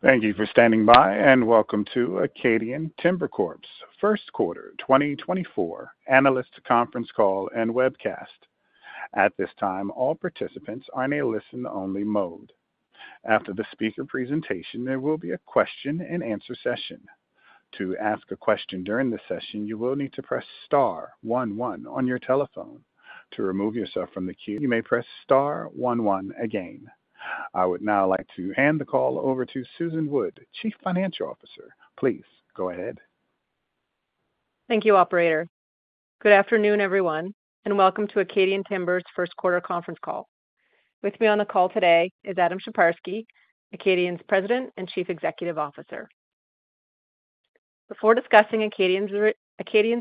Thank you for standing by, and welcome to Acadian Timber Corp.'s first quarter 2024 analyst conference call and webcast. At this time, all participants are in a listen-only mode. After the speaker presentation, there will be a question-and-answer session. To ask a question during the session, you will need to press star one one on your telephone. To remove yourself from the queue, you may press star one one again. I would now like to hand the call over to Susan Wood, Chief Financial Officer. Please go ahead. Thank you, Operator. Good afternoon, everyone, and welcome to Acadian Timber's first quarter conference call. With me on the call today is Adam Sheparski, Acadian's President and Chief Executive Officer. Before discussing Acadian's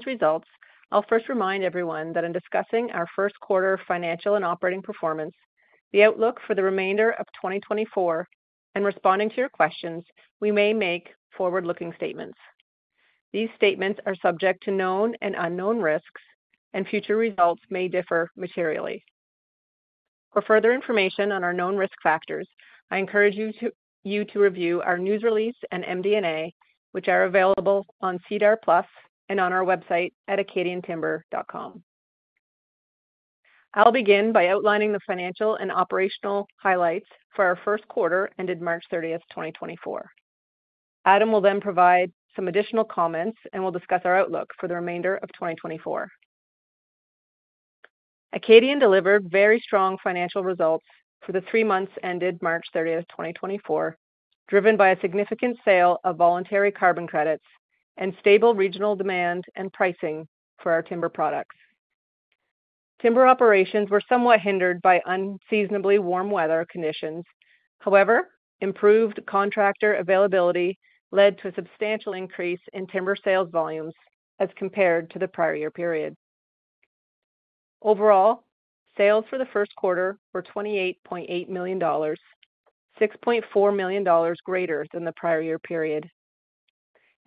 results, I'll first remind everyone that in discussing our first quarter financial and operating performance, the outlook for the remainder of 2024, and responding to your questions, we may make forward-looking statements. These statements are subject to known and unknown risks, and future results may differ materially. For further information on our known risk factors, I encourage you to review our news release and MD&A, which are available on SEDAR+ and on our website at acadiantimber.com. I'll begin by outlining the financial and operational highlights for our first quarter ended March 30, 2024. Adam will then provide some additional comments and we'll discuss our outlook for the remainder of 2024. Acadian delivered very strong financial results for the three months ended March 30, 2024, driven by a significant sale of voluntary carbon credits and stable regional demand and pricing for our timber products. Timber operations were somewhat hindered by unseasonably warm weather conditions. However, improved contractor availability led to a substantial increase in timber sales volumes as compared to the prior year period. Overall, sales for the first quarter were 28.8 million dollars, 6.4 million dollars greater than the prior year period.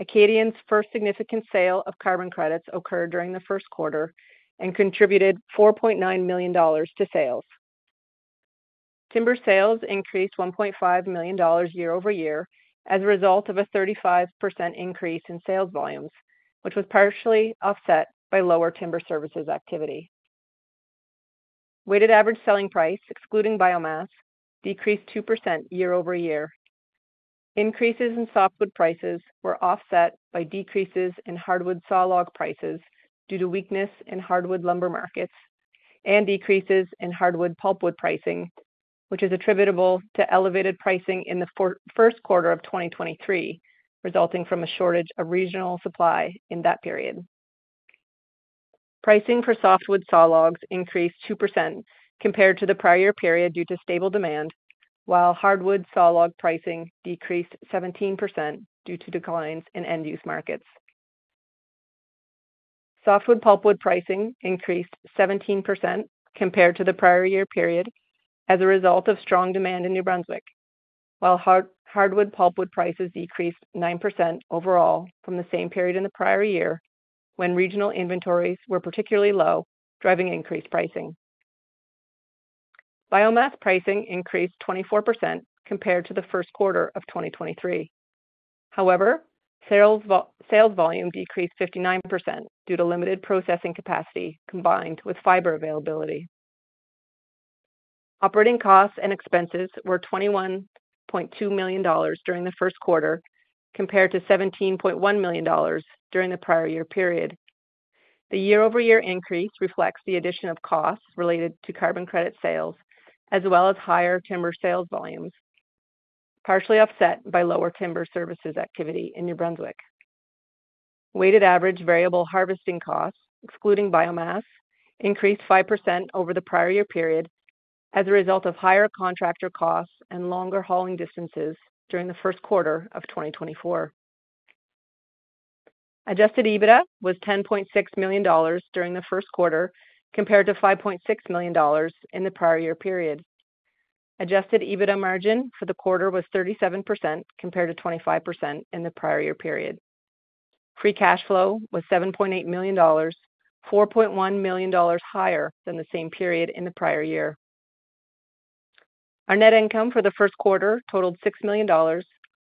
Acadian's first significant sale of carbon credits occurred during the first quarter and contributed 4.9 million dollars to sales. Timber sales increased 1.5 million dollars year-over-year as a result of a 35% increase in sales volumes, which was partially offset by lower timber services activity. Weighted average selling price, excluding biomass, decreased 2% year-over-year. Increases in softwood prices were offset by decreases in hardwood sawlog prices due to weakness in hardwood lumber markets, and decreases in hardwood pulpwood pricing, which is attributable to elevated pricing in the first quarter of 2023 resulting from a shortage of regional supply in that period. Pricing for softwood sawlogs increased 2% compared to the prior year period due to stable demand, while hardwood sawlog pricing decreased 17% due to declines in end-use markets. Softwood pulpwood pricing increased 17% compared to the prior year period as a result of strong demand in New Brunswick, while hardwood pulpwood prices decreased 9% overall from the same period in the prior year when regional inventories were particularly low, driving increased pricing. Biomass pricing increased 24% compared to the first quarter of 2023. However, sales volume decreased 59% due to limited processing capacity combined with fiber availability. Operating costs and expenses were 21.2 million dollars during the first quarter compared to 17.1 million dollars during the prior year period. The year-over-year increase reflects the addition of costs related to carbon credit sales as well as higher timber sales volumes, partially offset by lower timber services activity in New Brunswick. Weighted average variable harvesting costs, excluding biomass, increased 5% over the prior year period as a result of higher contractor costs and longer hauling distances during the first quarter of 2024. Adjusted EBITDA was 10.6 million dollars during the first quarter compared to 5.6 million dollars in the prior year period. Adjusted EBITDA margin for the quarter was 37% compared to 25% in the prior year period. Free cash flow was 7.8 million dollars, 4.1 million dollars higher than the same period in the prior year. Our net income for the first quarter totaled 6 million dollars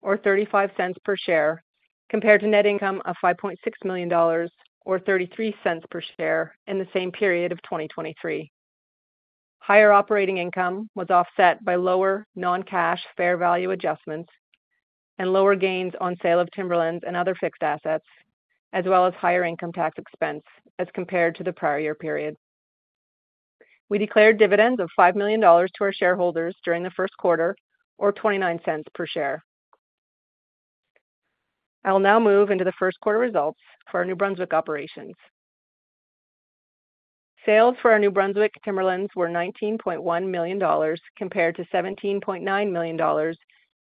or 0.35 per share compared to net income of 5.6 million dollars or 0.33 per share in the same period of 2023. Higher operating income was offset by lower non-cash fair value adjustments and lower gains on sale of timberlands and other fixed assets, as well as higher income tax expense as compared to the prior year period. We declared dividends of 5 million dollars to our shareholders during the first quarter or 0.29 per share. I will now move into the first quarter results for our New Brunswick operations. Sales for our New Brunswick timberlands were 19.1 million dollars compared to 17.9 million dollars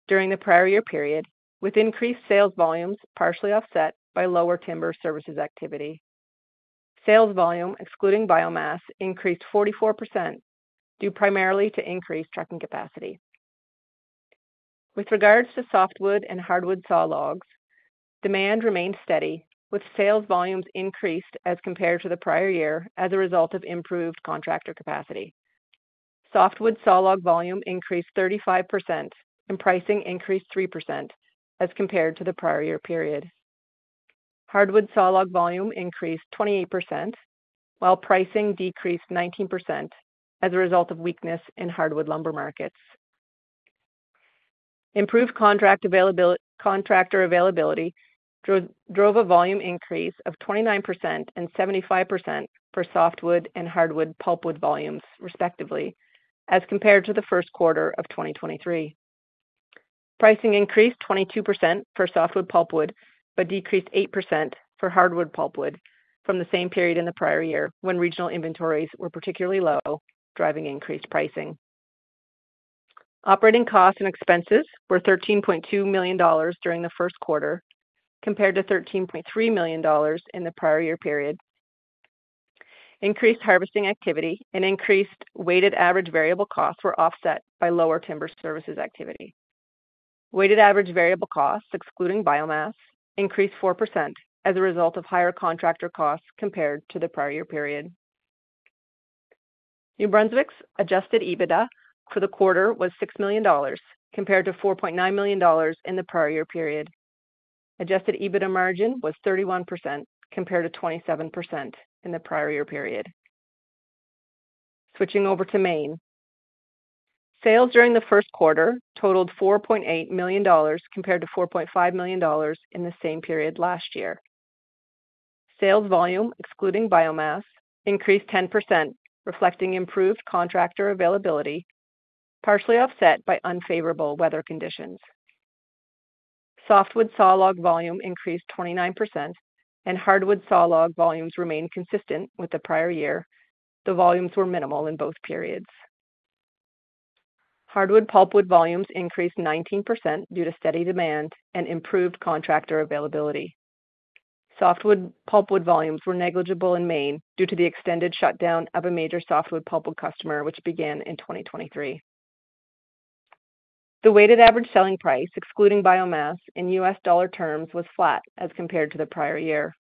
during the prior year period, with increased sales volumes partially offset by lower timber services activity. Sales volume excluding biomass increased 44% due primarily to increased trucking capacity. With regards to softwood and hardwood sawlogs, demand remained steady, with sales volumes increased as compared to the prior year as a result of improved contractor capacity. Softwood sawlog volume increased 35% and pricing increased 3% as compared to the prior year period. Hardwood sawlog volume increased 28%, while pricing decreased 19% as a result of weakness in hardwood lumber markets. Improved contractor availability drove a volume increase of 29% and 75% for softwood and hardwood pulpwood volumes, respectively, as compared to the first quarter of 2023. Pricing increased 22% for softwood pulpwood but decreased 8% for hardwood pulpwood from the same period in the prior year when regional inventories were particularly low, driving increased pricing. Operating costs and expenses were 13.2 million dollars during the first quarter compared to 13.3 million dollars in the prior year period. Increased harvesting activity and increased weighted average variable costs were offset by lower timber services activity. Weighted average variable costs, excluding biomass, increased 4% as a result of higher contractor costs compared to the prior year period. New Brunswick's Adjusted EBITDA for the quarter was $6 million compared to $4.9 million in the prior year period. Adjusted EBITDA margin was 31% compared to 27% in the prior year period. Switching over to Maine. Sales during the first quarter totaled $4.8 million compared to $4.5 million in the same period last year. Sales volume excluding biomass increased 10%, reflecting improved contractor availability, partially offset by unfavorable weather conditions. Softwood sawlogs volume increased 29% and hardwood sawlogs volumes remained consistent with the prior year. The volumes were minimal in both periods. Hardwood pulpwood volumes increased 19% due to steady demand and improved contractor availability. Softwood pulpwood volumes were negligible in Maine due to the extended shutdown of a major softwood pulpwood customer, which began in 2023. The weighted average selling price, excluding biomass, in U.S. dollar terms was flat as compared to the prior year.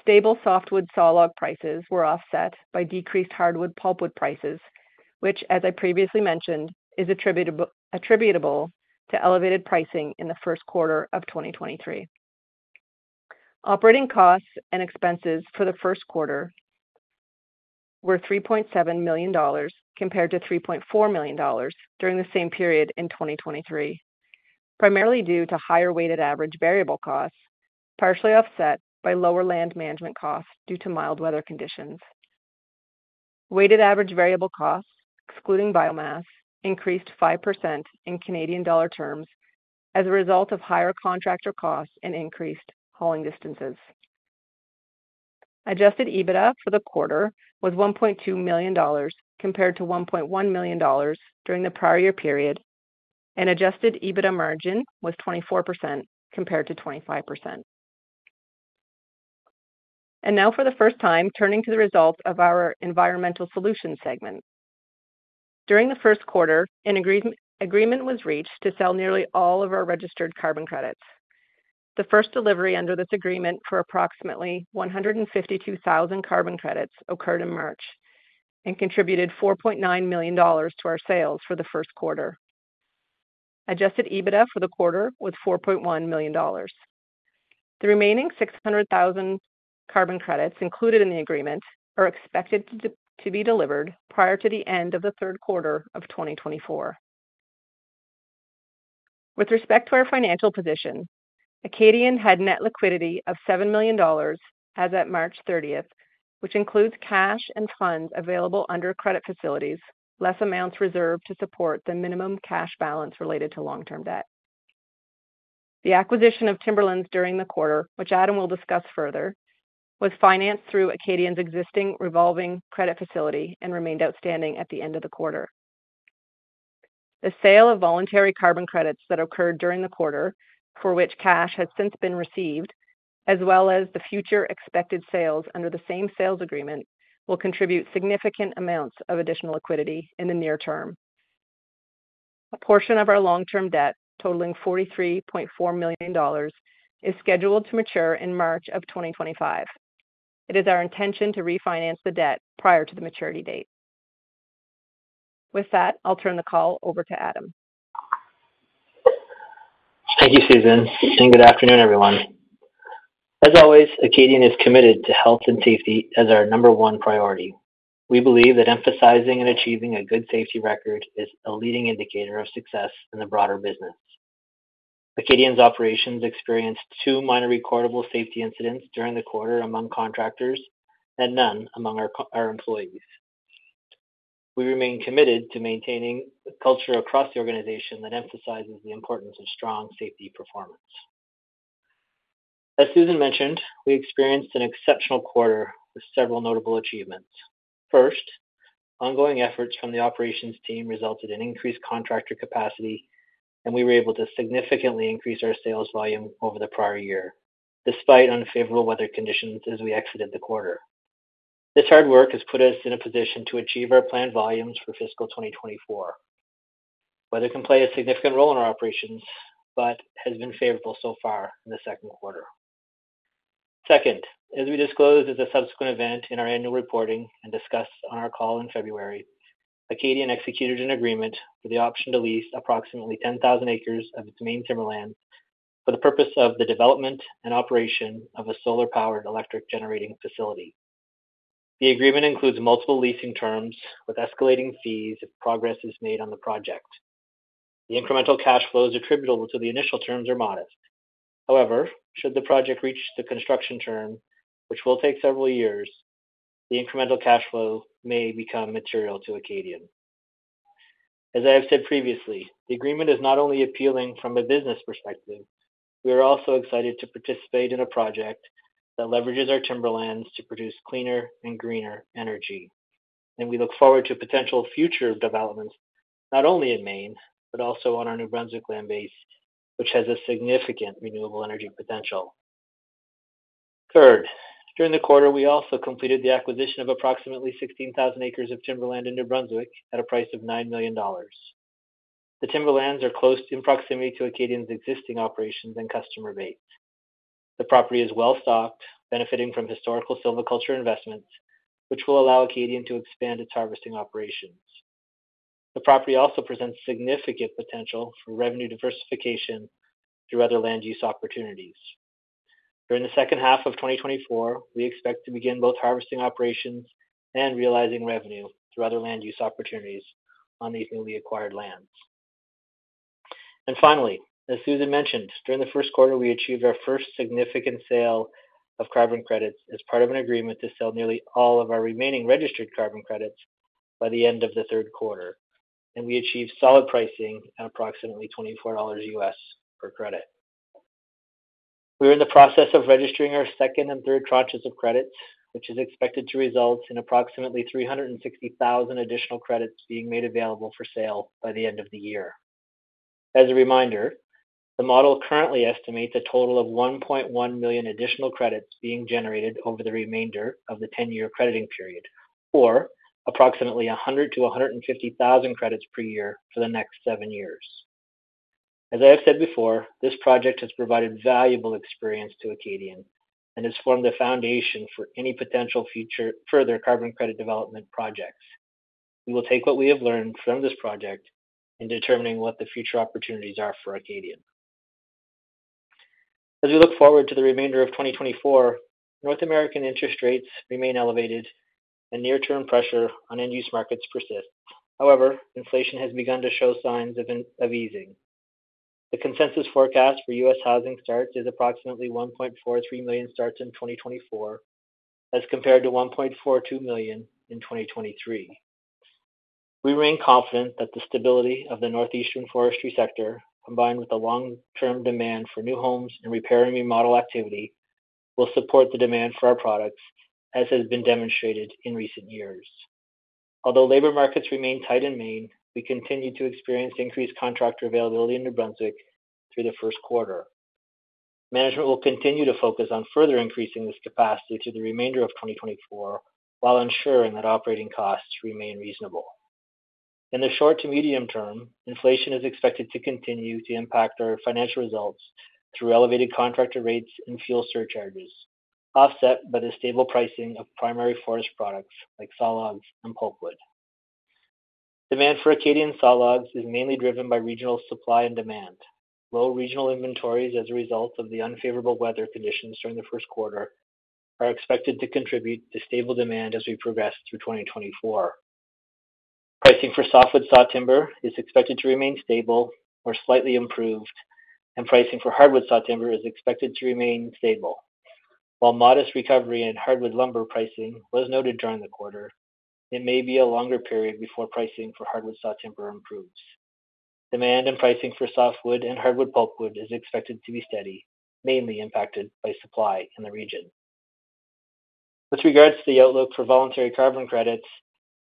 Stable softwood sawlog prices were offset by decreased hardwood pulpwood prices, which, as I previously mentioned, is attributable to elevated pricing in the first quarter of 2023. Operating costs and expenses for the first quarter were 3.7 million dollars compared to 3.4 million dollars during the same period in 2023, primarily due to higher weighted average variable costs, partially offset by lower land management costs due to mild weather conditions. Weighted average variable costs, excluding biomass, increased 5% in Canadian dollar terms as a result of higher contractor costs and increased hauling distances. Adjusted EBITDA for the quarter was $1.2 million compared to $1.1 million during the prior year period, and adjusted EBITDA margin was 24% compared to 25%. Now, for the first time, turning to the results of our environmental solutions segment. During the first quarter, an agreement was reached to sell nearly all of our registered carbon credits. The first delivery under this agreement for approximately 152,000 carbon credits occurred in March and contributed $4.9 million to our sales for the first quarter. Adjusted EBITDA for the quarter was $4.1 million. The remaining 600,000 carbon credits included in the agreement are expected to be delivered prior to the end of the third quarter of 2024. With respect to our financial position, Acadian had net liquidity of 7 million dollars as of March 30, which includes cash and funds available under credit facilities, less amounts reserved to support the minimum cash balance related to long-term debt. The acquisition of timberlands during the quarter, which Adam will discuss further, was financed through Acadian's existing revolving credit facility and remained outstanding at the end of the quarter. The sale of voluntary carbon credits that occurred during the quarter, for which cash has since been received, as well as the future expected sales under the same sales agreement, will contribute significant amounts of additional liquidity in the near term. A portion of our long-term debt, totaling 43.4 million dollars, is scheduled to mature in March of 2025. It is our intention to refinance the debt prior to the maturity date. With that, I'll turn the call over to Adam. Thank you, Susan, and good afternoon, everyone. As always, Acadian is committed to health and safety as our number one priority. We believe that emphasizing and achieving a good safety record is a leading indicator of success in the broader business. Acadian's operations experienced two minor recordable safety incidents during the quarter among contractors and none among our employees. We remain committed to maintaining a culture across the organization that emphasizes the importance of strong safety performance. As Susan mentioned, we experienced an exceptional quarter with several notable achievements. First, ongoing efforts from the operations team resulted in increased contractor capacity, and we were able to significantly increase our sales volume over the prior year despite unfavorable weather conditions as we exited the quarter. This hard work has put us in a position to achieve our planned volumes for fiscal 2024. Weather can play a significant role in our operations but has been favorable so far in the second quarter. Second, as we disclosed as a subsequent event in our annual reporting and discussed on our call in February, Acadian executed an agreement for the option to lease approximately 10,000 acres of its Maine timberlands for the purpose of the development and operation of a solar-powered electric generating facility. The agreement includes multiple leasing terms with escalating fees if progress is made on the project. The incremental cash flows attributable to the initial terms are modest. However, should the project reach the construction term, which will take several years, the incremental cash flow may become material to Acadian. As I have said previously, the agreement is not only appealing from a business perspective. We are also excited to participate in a project that leverages our timberlands to produce cleaner and greener energy, and we look forward to potential future developments not only in Maine but also on our New Brunswick land base, which has a significant renewable energy potential. Third, during the quarter, we also completed the acquisition of approximately 16,000 acres of timberland in New Brunswick at a price of 9 million dollars. The timberlands are close in proximity to Acadian's existing operations and customer base. The property is well stocked, benefiting from historical silviculture investments, which will allow Acadian to expand its harvesting operations. The property also presents significant potential for revenue diversification through other land use opportunities. During the second half of 2024, we expect to begin both harvesting operations and realizing revenue through other land use opportunities on these newly acquired lands. Finally, as Susan mentioned, during the first quarter, we achieved our first significant sale of carbon credits as part of an agreement to sell nearly all of our remaining registered carbon credits by the end of the third quarter, and we achieved solid pricing at approximately $24 per credit. We are in the process of registering our second and third tranches of credits, which is expected to result in approximately 360,000 additional credits being made available for sale by the end of the year. As a reminder, the model currently estimates a total of 1.1 million additional credits being generated over the remainder of the 10-year crediting period, or approximately 100,000-150,000 credits per year for the next seven years. As I have said before, this project has provided valuable experience to Acadian and has formed the foundation for any potential further carbon credit development projects. We will take what we have learned from this project in determining what the future opportunities are for Acadian. As we look forward to the remainder of 2024, North American interest rates remain elevated, and near-term pressure on end-use markets persists. However, inflation has begun to show signs of easing. The consensus forecast for U.S. housing starts is approximately 1.43 million starts in 2024 as compared to 1.42 million in 2023. We remain confident that the stability of the northeastern forestry sector, combined with the long-term demand for new homes and repair and remodel activity, will support the demand for our products as has been demonstrated in recent years. Although labor markets remain tight in Maine, we continue to experience increased contractor availability in New Brunswick through the first quarter. Management will continue to focus on further increasing this capacity through the remainder of 2024 while ensuring that operating costs remain reasonable. In the short to medium term, inflation is expected to continue to impact our financial results through elevated contractor rates and fuel surcharges, offset by the stable pricing of primary forest products like saw logs and pulpwood. Demand for Acadian saw logs is mainly driven by regional supply and demand. Low regional inventories as a result of the unfavorable weather conditions during the first quarter are expected to contribute to stable demand as we progress through 2024. Pricing for softwood saw timber is expected to remain stable or slightly improved, and pricing for hardwood saw timber is expected to remain stable. While modest recovery in hardwood lumber pricing was noted during the quarter, it may be a longer period before pricing for hardwood saw timber improves. Demand and pricing for softwood and hardwood pulpwood is expected to be steady, mainly impacted by supply in the region. With regards to the outlook for voluntary carbon credits,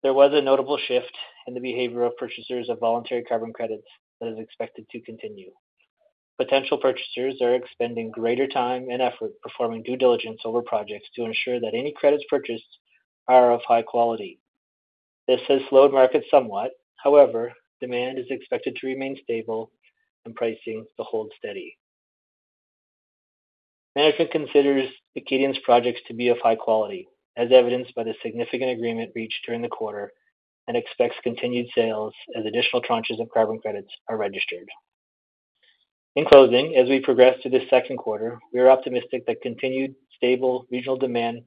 there was a notable shift in the behavior of purchasers of voluntary carbon credits that is expected to continue. Potential purchasers are expending greater time and effort performing due diligence over projects to ensure that any credits purchased are of high quality. This has slowed markets somewhat. However, demand is expected to remain stable, and pricing to hold steady. Management considers Acadian's projects to be of high quality, as evidenced by the significant agreement reached during the quarter, and expects continued sales as additional tranches of carbon credits are registered. In closing, as we progress through this second quarter, we are optimistic that continued stable regional demand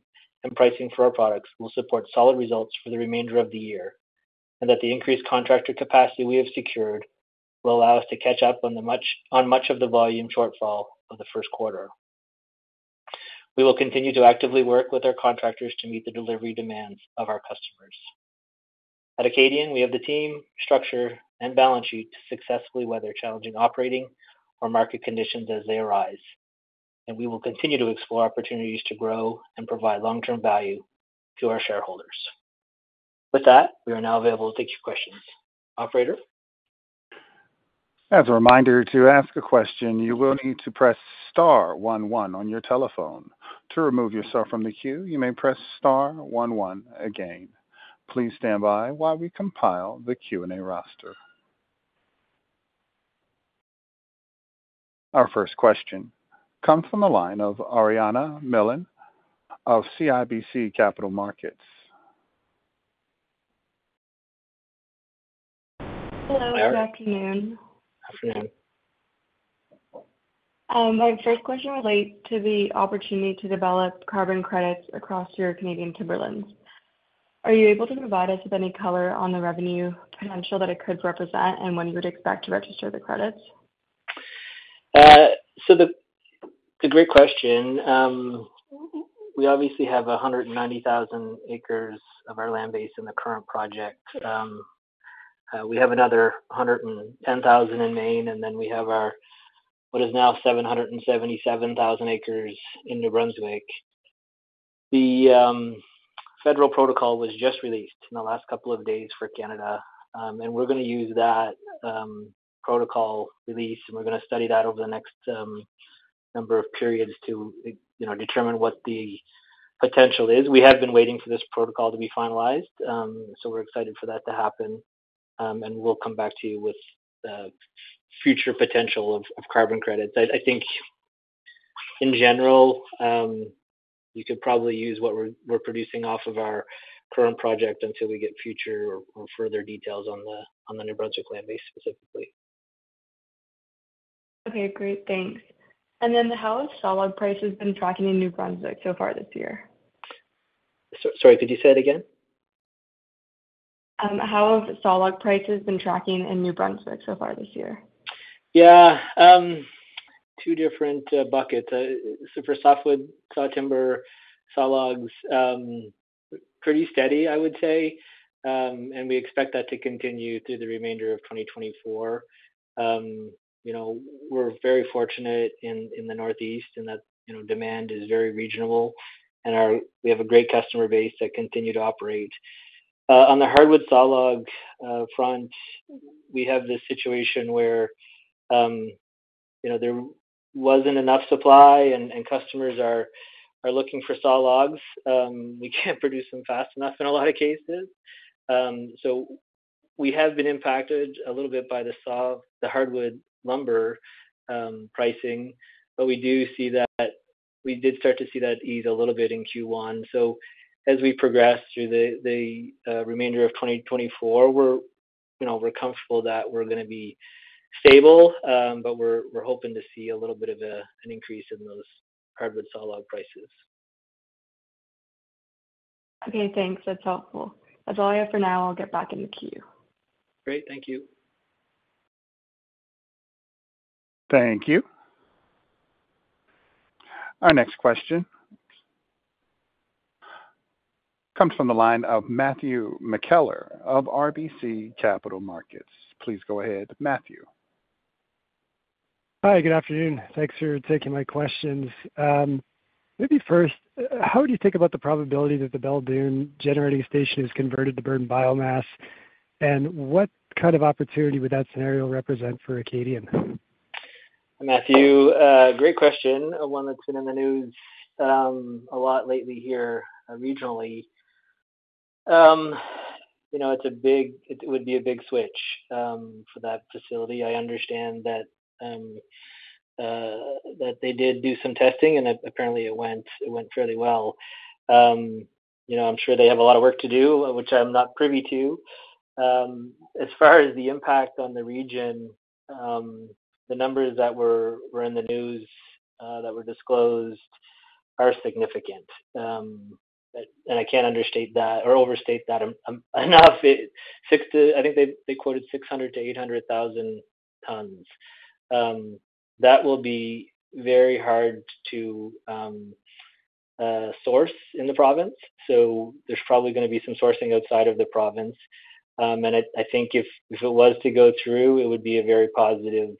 and pricing for our products will support solid results for the remainder of the year and that the increased contractor capacity we have secured will allow us to catch up on much of the volume shortfall of the first quarter. We will continue to actively work with our contractors to meet the delivery demands of our customers. At Acadian, we have the team, structure, and balance sheet to successfully weather challenging operating or market conditions as they arise, and we will continue to explore opportunities to grow and provide long-term value to our shareholders. With that, we are now available to take your questions. Operator? As a reminder to ask a question, you will need to press star 11 on your telephone. To remove yourself from the queue, you may press star 11 again. Please stand by while we compile the Q&A roster. Our first question comes from the line of Ariana Milin of CIBC Capital Markets. Hello. Good afternoon. Hi. Afternoon. My first question relates to the opportunity to develop carbon credits across your Canadian timberlands. Are you able to provide us with any color on the revenue potential that it could represent and when you would expect to register the credits? So that's a great question. We obviously have 190,000 acres of our land base in the current project. We have another 110,000 in Maine, and then we have what is now 777,000 acres in New Brunswick. The federal protocol was just released in the last couple of days for Canada, and we're going to use that protocol release, and we're going to study that over the next number of periods to determine what the potential is. We have been waiting for this protocol to be finalized, so we're excited for that to happen, and we'll come back to you with the future potential of carbon credits. I think, in general, you could probably use what we're producing off of our current project until we get future or further details on the New Brunswick land base specifically. Okay. Great. Thanks. And then how have sawlog prices been tracking in New Brunswick so far this year? Sorry. Could you say that again? How have saw log prices been tracking in New Brunswick so far this year? Yeah. Two different buckets. So for softwood saw timber, saw logs, pretty steady, I would say, and we expect that to continue through the remainder of 2024. We're very fortunate in the northeast in that demand is very reasonable, and we have a great customer base that continue to operate. On the hardwood saw log front, we have this situation where there wasn't enough supply, and customers are looking for saw logs. We can't produce them fast enough in a lot of cases. So we have been impacted a little bit by the hardwood lumber pricing, but we do see that we did start to see that ease a little bit in Q1. So as we progress through the remainder of 2024, we're comfortable that we're going to be stable, but we're hoping to see a little bit of an increase in those hardwood saw log prices. Okay. Thanks. That's helpful. That's all I have for now. I'll get back in the queue. Great. Thank you. Thank you. Our next question comes from the line of Matthew McKellar of RBC Capital Markets. Please go ahead, Matthew. Hi. Good afternoon. Thanks for taking my questions. Maybe first, how would you think about the probability that the Belledune generating station is converted to burn biomass, and what kind of opportunity would that scenario represent for Acadian? Matthew, great question. One that's been in the news a lot lately here regionally. It would be a big switch for that facility. I understand that they did do some testing, and apparently, it went fairly well. I'm sure they have a lot of work to do, which I'm not privy to. As far as the impact on the region, the numbers that were in the news that were disclosed are significant, and I can't understate that or overstate that enough. I think they quoted 600,000 tons-800,000 tons. That will be very hard to source in the province, so there's probably going to be some sourcing outside of the province. And I think if it was to go through, it would be a very positive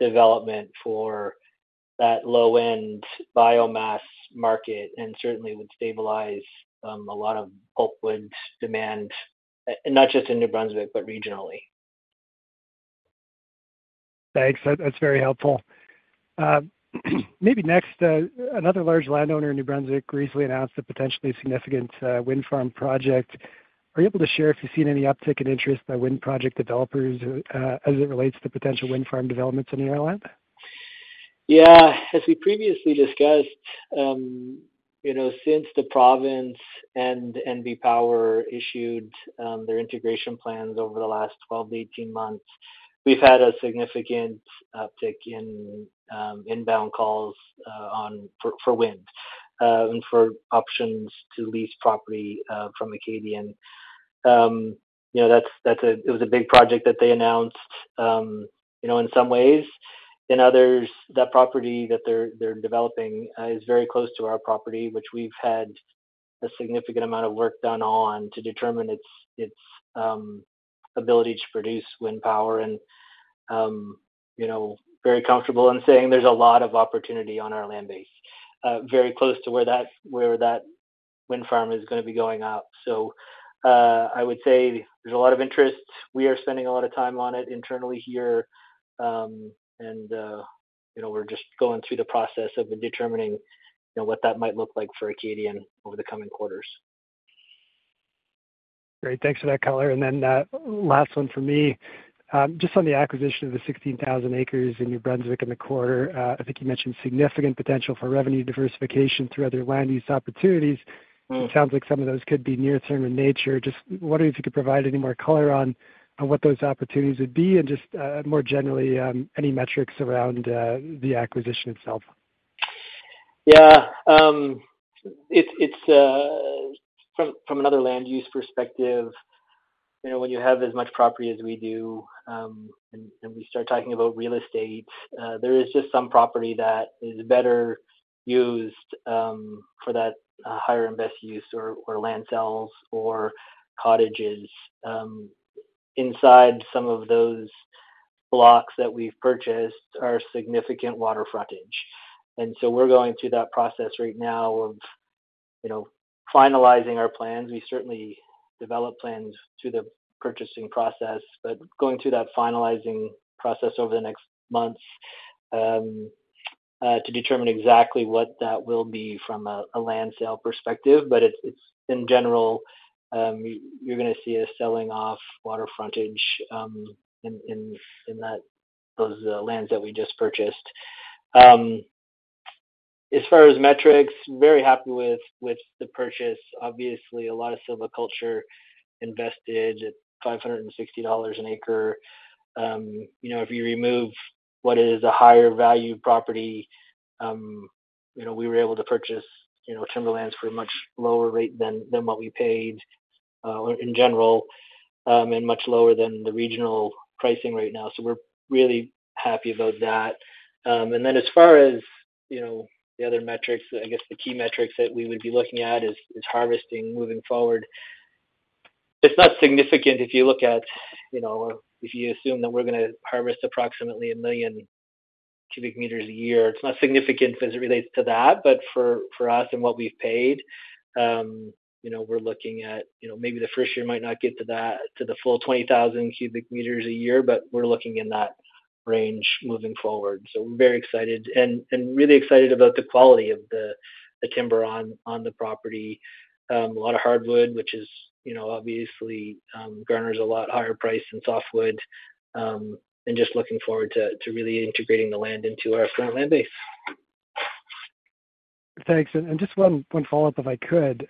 development for that low-end biomass market and certainly would stabilize a lot of pulpwood demand, not just in New Brunswick but regionally. Thanks. That's very helpful. Maybe next, another large landowner in New Brunswick recently announced a potentially significant wind farm project. Are you able to share if you've seen any uptick in interest by wind project developers as it relates to potential wind farm developments in the inland? Yeah. As we previously discussed, since the province and NB Power issued their integration plans over the last 12-18 months, we've had a significant uptick in inbound calls for wind and for options to lease property from Acadian. It was a big project that they announced in some ways. In others, that property that they're developing is very close to our property, which we've had a significant amount of work done on to determine its ability to produce wind power and very comfortable in saying there's a lot of opportunity on our land base, very close to where that wind farm is going to be going up. So I would say there's a lot of interest. We are spending a lot of time on it internally here, and we're just going through the process of determining what that might look like for Acadian over the coming quarters. Great. Thanks for that color. And then last one for me, just on the acquisition of the 16,000 acres in New Brunswick in the quarter, I think you mentioned significant potential for revenue diversification through other land use opportunities. It sounds like some of those could be near-term in nature. Just wondering if you could provide any more color on what those opportunities would be and just more generally, any metrics around the acquisition itself. Yeah. From another land use perspective, when you have as much property as we do and we start talking about real estate, there is just some property that is better used for that highest and best use or land sales or cottages. Inside some of those blocks that we've purchased are significant water frontage. And so we're going through that process right now of finalizing our plans. We certainly develop plans through the purchasing process, but going through that finalizing process over the next months to determine exactly what that will be from a land sale perspective. But in general, you're going to see us selling off water frontage in those lands that we just purchased. As far as metrics, very happy with the purchase. Obviously, a lot of silviculture invested at $560 an acre. If you remove what is a higher-value property, we were able to purchase timberlands for a much lower rate than what we paid in general and much lower than the regional pricing right now. So we're really happy about that. And then as far as the other metrics, I guess the key metrics that we would be looking at is harvesting moving forward. It's not significant if you look at, if you assume that we're going to harvest approximately 1 million cubic meters a year, it's not significant as it relates to that. But for us and what we've paid, we're looking at maybe the first year might not get to the full 20,000 cubic meters a year, but we're looking in that range moving forward. So we're very excited and really excited about the quality of the timber on the property. A lot of hardwood, which obviously garners a lot higher price than softwood, and just looking forward to really integrating the land into our current land base. Thanks. And just one follow-up if I could.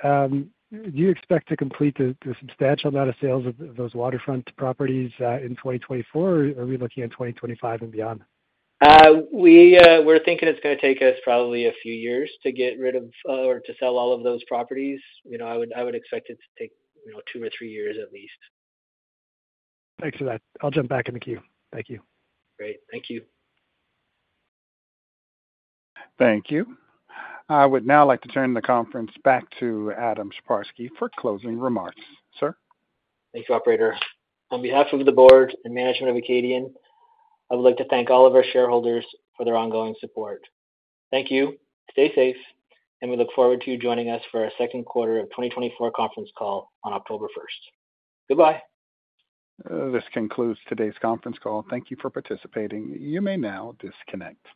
Do you expect to complete the substantial amount of sales of those waterfront properties in 2024, or are we looking at 2025 and beyond? We're thinking it's going to take us probably a few years to get rid of or to sell all of those properties. I would expect it to take two or three years at least. Thanks for that. I'll jump back in the queue. Thank you. Great. Thank you. Thank you. I would now like to turn the conference back to Adam Sheparski for closing remarks. Sir? Thank you, Operator. On behalf of the board and management of Acadian, I would like to thank all of our shareholders for their ongoing support. Thank you. Stay safe, and we look forward to you joining us for our second quarter of 2024 conference call on October 1st. Goodbye. This concludes today's conference call. Thank you for participating. You may now disconnect.